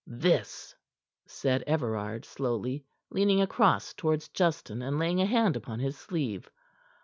"This," said Everard slowly, leaning across toward Justin, and laying a hand upon his sleeve.